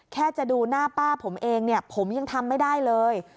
แค่จะดูหน้าป้าผมเองเนี่ยผมยังทำไม่ได้เลย